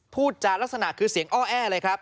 พูดจารักษณะคือเสียงอ้อแอเลยครับ